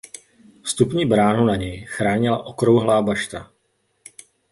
Vstupní bránu na něj chránila okrouhlá bašta.